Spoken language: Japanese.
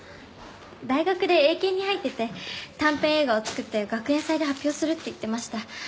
大学で映研に入ってて短編映画を作って学園祭で発表するって言ってました。